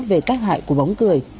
về tác hại của bóng cười